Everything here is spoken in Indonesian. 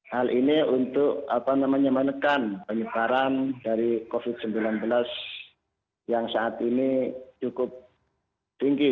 hal ini untuk menekan penyebaran dari covid sembilan belas yang saat ini cukup tinggi